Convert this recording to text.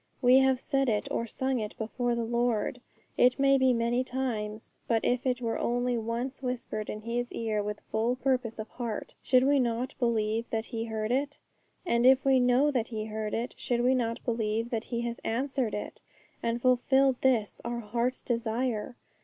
We have said it or sung it before the Lord, it may be many times; but if it were only once whispered in His ear with full purpose of heart, should we not believe that He heard it? And if we know that He heard it, should we not believe that He has answered it, and fulfilled this, our heart's desire?